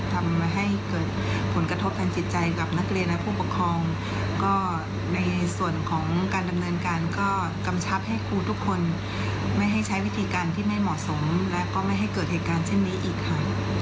ทำให้เกิดผลกระทบทางจิตใจกับนักเรียนและผู้ปกครองก็ในส่วนของการดำเนินการก็กำชับให้ครูทุกคนไม่ให้ใช้วิธีการที่ไม่เหมาะสมและก็ไม่ให้เกิดเหตุการณ์เช่นนี้อีกค่ะ